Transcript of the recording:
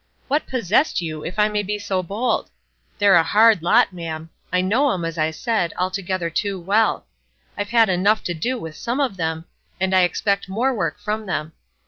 "What possessed you, if I may be so bold? They're a hard lot, ma'am. I know them, as I said, altogether too well. I've had enough to do with some of them; and I expect more work from them.